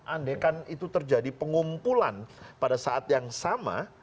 andai kan itu terjadi pengumpulan pada saat yang sama